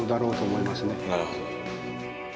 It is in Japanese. なるほど。